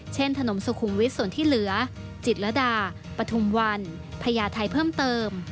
ถนนสุขุมวิทย์ส่วนที่เหลือจิตรดาปฐุมวันพญาไทยเพิ่มเติม